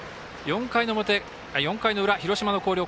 ４回の裏、広島の広陵